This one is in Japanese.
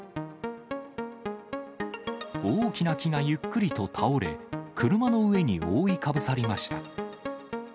大きな木がゆっくりと倒れ、車の上に覆いかぶさりました。